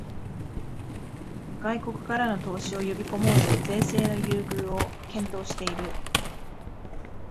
外国からの投資を呼びこもうと税制の優遇を検討している